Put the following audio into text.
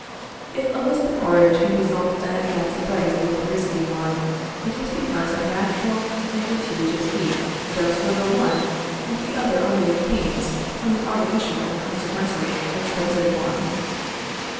"If a Lisbon orange can be sold at half the price of a Parisian one, it is because a natural and gratuitous heat does for the one, what the other only obtains from an artificial and consequently expensive one.